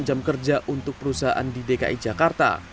jam kerja untuk perusahaan di dki jakarta